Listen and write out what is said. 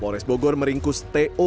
mores bogor meringkus to